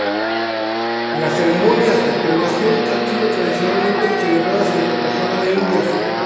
La ceremonias de premiación han sido tradicionalmente celebradas en Cartagena de Indias.